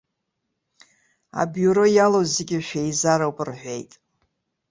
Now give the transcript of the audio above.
Абиуро иалоу зегьы шәеизароуп рҳәеит.